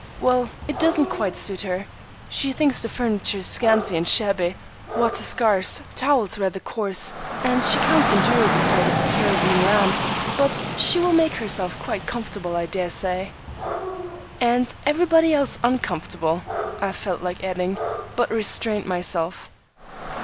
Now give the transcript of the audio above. "Well, it doesn't quite suit her. She thinks the furniture scanty and shabby, water scarce, towels rather coarse, and she can't endure the sight of a kerosene lamp; but she will make herself quite comfortable, I dare say." "And everybody else uncomfortable," I felt like adding, but restrained myself.